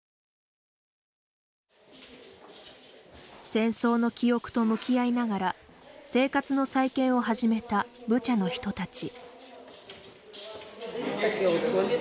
戦争の記憶と向き合いながら生活の再建を始めたブチャの人たち。